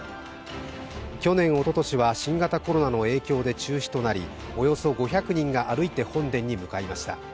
去年、おととしは新型コロナの影響で中止となり、およそ５００人が歩いて本殿に向かいました。